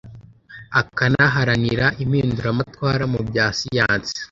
akanaharanira impinduramatwara mu bya science